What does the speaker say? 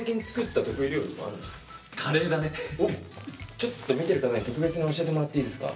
ちょっと見てる方に特別に教えてもらっていいですか？